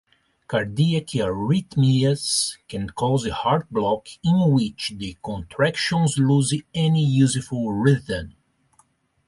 Cardiac arrhythmias can cause heart block, in which the contractions lose any useful rhythm.